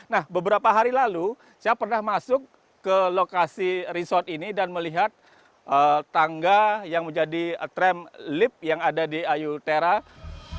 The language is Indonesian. nah beberapa hari lalu saya pernah masuk ke lokasi resort ini dan melihat tangga yang menjadi tram lift yang ada di ayu teras